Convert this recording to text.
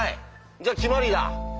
じゃあ決まりだ。